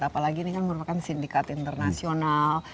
apalagi ini kan merupakan sindikat internasional